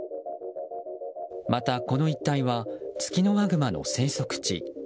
また、この一帯はツキノワグマの生息地。